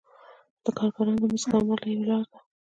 د کارګرانو د مزد کموالی یوه لاره ده